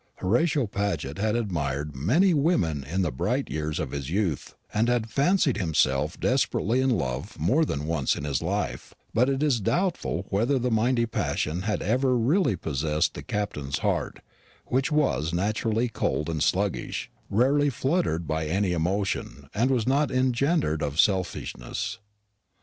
Horatio Paget had admired many women in the bright years of his youth, and had fancied himself desperately in love more than once in his life; but it is doubtful whether the mighty passion had ever really possessed the Captain's heart, which was naturally cold and sluggish, rarely fluttered by any emotion that was not engendered of selfishness.